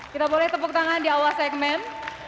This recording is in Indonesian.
kita boleh tepuk tangan di awal segmen